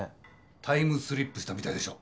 タイムスリップしたみたいでしょ？